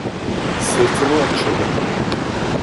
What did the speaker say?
Sırtımı okşadı.